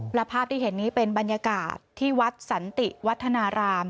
และภาพที่เห็นนี้เป็นบรรยากาศที่วัดสันติวัฒนาราม